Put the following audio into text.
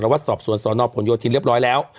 ว่าสอบส่วนสอนออกผลโยชน์ที่เรียบร้อยแล้ว